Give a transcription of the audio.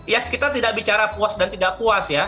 ya kita tidak bicara puas dan tidak puas ya